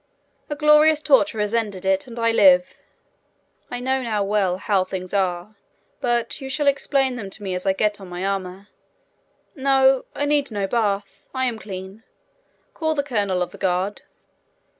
A glorious torture has ended it, and I live. I know now well how things are, but you shall explain them to me as I get on my armour. No, I need no bath. I am clean. Call the colonel of the guard.'